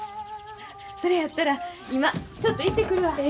それやったら今ちょっと行ってくるわ。